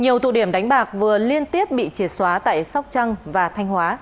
nhiều tụ điểm đánh bạc vừa liên tiếp bị triệt xóa tại sóc trăng và thanh hóa